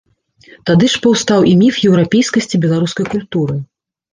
Тады ж паўстаў і міф еўрапейскасці беларускай культуры.